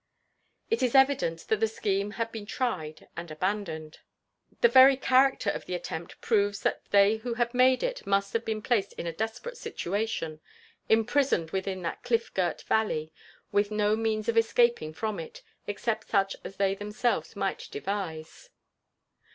It is evident that the scheme had been tried and abandoned. The very character of the attempt proves that they who had made it must have been placed in a desperate situation imprisoned within that cliff girt valley, with no means of escaping from it, except such as they themselves might devise.